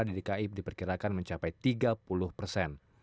di dki diperkirakan mencapai tiga puluh persen